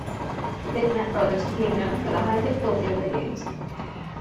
The Bitmap Brothers became known for the high difficulty of their games.